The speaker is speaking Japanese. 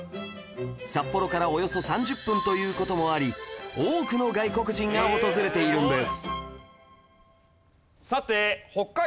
札幌からおよそ３０分という事もあり多くの外国人が訪れているんです